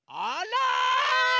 あら！